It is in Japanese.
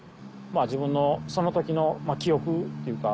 自分のその時の記憶っていうか。